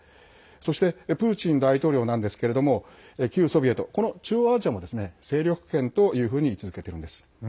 そしてプーチン大統領なんですけれども旧ソビエト、この中央アジアも勢力圏というふうに位置づけているんです。